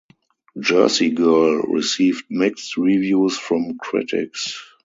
"Jersey Girl" received mixed reviews from critics.